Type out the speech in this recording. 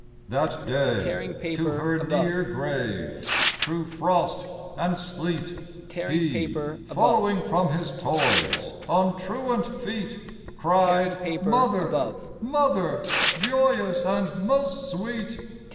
That day, to her near grave, thro' frost and sleet, He, following from his toys on truant feet, Cried: 'Mother, mother!' joyous and most sweet.